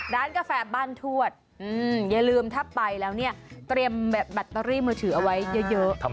กาแฟบ้านทวดอย่าลืมถ้าไปแล้วเนี่ยเตรียมแบตเตอรี่มือถือเอาไว้เยอะ